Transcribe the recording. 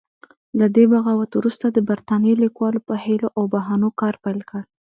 له دې بغاوت وروسته د برتانیې لیکوالو په حیلو او بهانو کار پیل کړ.